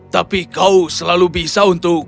tapi kau selalu bisa untuk